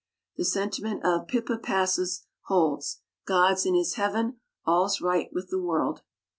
The sentiment of "Pippa Passes" holds: "God's in His Heaven, all's right with the world."